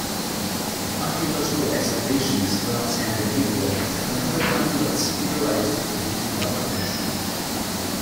Archaeological excavations throughout Scandinavia have uncovered amulets theorized as depicting valkyries.